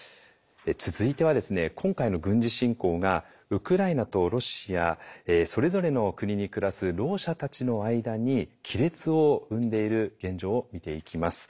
続いては今回の軍事侵攻がウクライナとロシアそれぞれの国に暮らすろう者たちの間に亀裂を生んでいる現状を見ていきます。